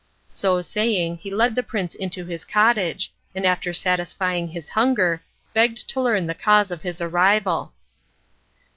So saying he led the prince into his cottage, and after satisfying his hunger begged to learn the cause of his arrival.